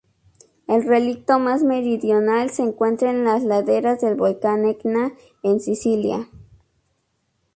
El relicto más meridional se encuentra en las laderas del volcán Etna, en Sicilia.